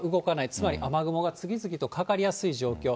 つまり雨雲が次々とかかりやすい状況。